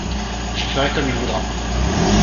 Je ferai comme il voudra.